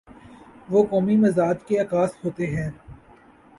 وہ قومی مزاج کے عکاس ہوتے ہیں۔